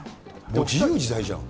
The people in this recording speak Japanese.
自由自在じゃん。